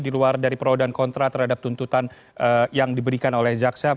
di luar dari pro dan kontra terhadap tuntutan yang diberikan oleh jaksa